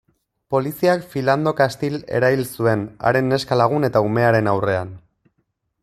Poliziak Philando Castile erail zuen, haren neska-lagun eta umearen aurrean.